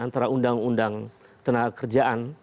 antara undang undang tenaga kerjaan